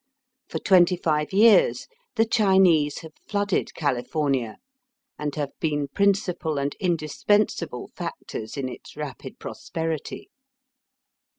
For twenty five years the Chinese have flooded California, and have been principal and indispensable factors in its rapid prosperity.